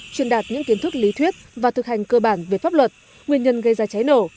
truyền đạt những kiến thức lý thuyết và thực hành cơ bản về pháp luật nguyên nhân gây ra cháy nổ